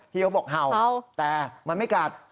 เขาบอกเห่าแต่มันไม่กัด